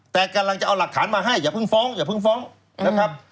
แต่กำลังจะเอาหลักฐานมาให้อย่าเพิ่งฟ้องอย่าเพิ่งฟ้องนะครับ